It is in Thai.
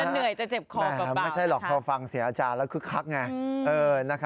แต่เหนื่อยจะเจ็บคอแบบเปล่าแม่งไม่ใช่หรอกเขาฟังเสียอาจารย์แล้วครึกครักไง